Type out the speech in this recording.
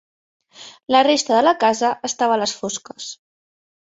La resta de la casa estava a les fosques.